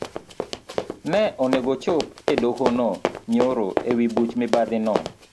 Ne onego ochop edoho nyoro ewi buch mibadhino.